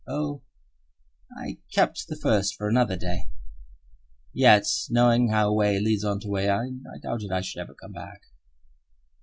Oh, I kept the first for another day! Yet knowing how way leads on to way, I doubted if I should ever come back.